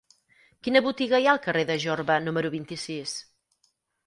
Quina botiga hi ha al carrer de Jorba número vint-i-sis?